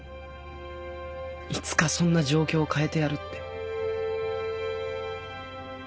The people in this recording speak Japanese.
いつかそんな状況を変えてやるって。